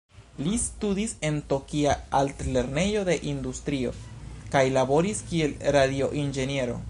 Li studis en Tokia altlernejo de industrio, kaj laboris kiel radio-inĝeniero.